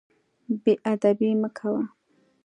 بې ادبي مه کوه.